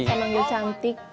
saya memanggil cantik